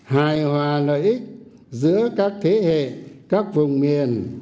hài hòa lợi ích giữa các thế hệ